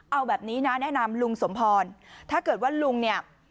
เอาแบบนี้นะแนะนำลุงสมพรถ้าเกิดว่าลุงเนี่ย